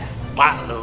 bau ya mak lu